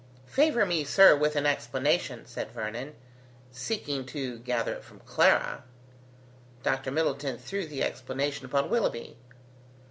"Favour me, sir, with an explanation," said Vernon, seeking to gather it from Clara. Dr Middleton threw the explanation upon Willoughby.